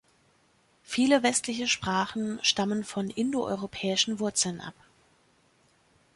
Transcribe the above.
Viele westliche Sprachen stammen von indo-europäischen Wurzeln ab